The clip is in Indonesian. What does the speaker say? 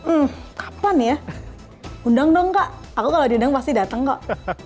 hmm kapan ya undang dong kak aku kalau diundang pasti datang kak